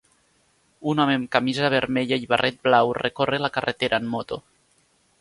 Un home amb camisa vermella i barret blau recorre la carretera en moto